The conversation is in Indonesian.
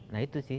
nah itu sih